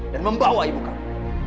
dan membawa ibu kamu